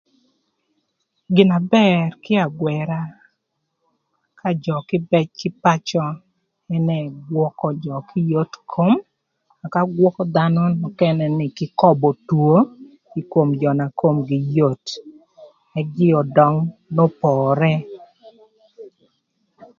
Gin na bër kï ï agwëra ka jö kïbëc kï ï pacö ënë gwökö jö kï yot kom ëka gwökö dhanö nökënë ni gïnï kï köbö two ï kom jö na komgï yot ëk jö ödöng n'opore.